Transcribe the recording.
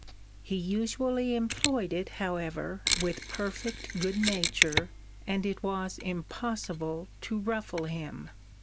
He usually employed it, however, with perfect good nature, and it was impossible to ruffle him.